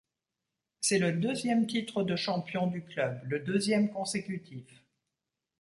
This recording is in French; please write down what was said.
C’est le deuxième titre de champion du club, le deuxième consécutif.